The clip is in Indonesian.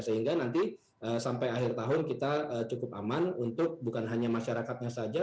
sehingga nanti sampai akhir tahun kita cukup aman untuk bukan hanya masyarakatnya saja